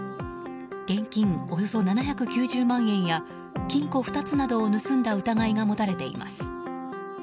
現金およそ７９０万円や金庫２つなどを盗んだ疑いが持たれています。